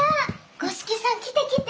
五色さん来て来て！